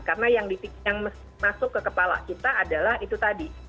karena yang masuk ke kepala kita adalah itu tadi